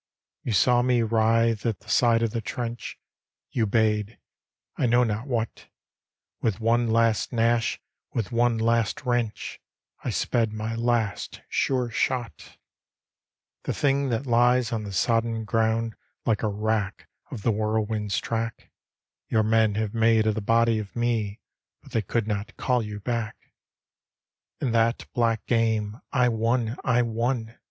" You saw me wridie at the side of the trench ; You bade — I know not what; Willi one last gnash, with one last wrench, I sped my last, sure shot " The diing that lies on the sodden ground Like a wrack of the whirlwind's track, Your men have made of the body of me. But they could not call you back! " In that black game I won, I won!